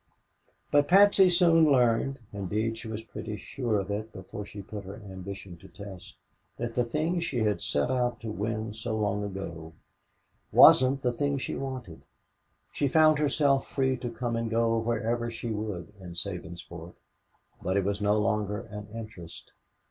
But Patsy soon learned indeed she was pretty sure of it before she put her ambition to test that the thing she had set out to win so long ago wasn't the thing she wanted. She found herself free to come and go wherever she would in Sabinsport, but it was no longer an interest.